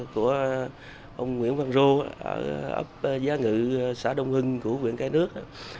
của ông nguyễn văn rô ở giá ngự xã đông hưng của viện cái nước